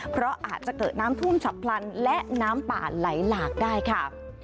เพราะอาจจะเกิดน้ำท่วมฉับพลันและน้ำป่าไหลหลากได้ค่ะ